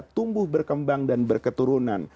tumbuh berkembang dan berketurunan